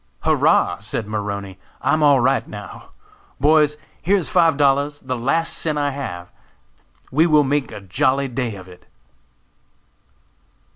"Hurrah!" said Maroney, "I am all right now! Boys, here is five dollars, the last cent I have! We will make a jolly day of it."